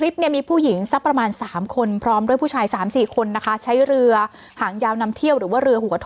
สนุกสดาลทีเดียว